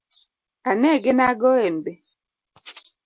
Anege nag'o en be?